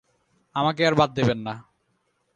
আমাকে আর বাদ দেবেন না।